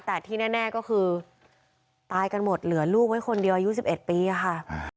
แต่ที่แน่ก็คือตายกันหมดเหลือลูกไว้คนเดียวอายุ๑๑ปีค่ะ